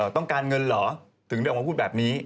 ต้องการเงินเหรอถึงได้ออกมาพูดแบบนี้